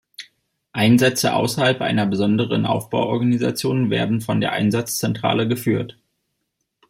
Einsätze außerhalb einer besonderen Aufbauorganisation werden von der Einsatzzentrale geführt.